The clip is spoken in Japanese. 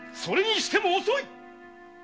それにしても遅い！